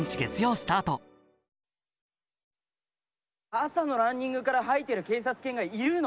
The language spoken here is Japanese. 朝のランニングから吐いてる警察犬がいるの？